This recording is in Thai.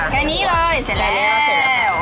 แค่นี้เลยเสร็จแล้ว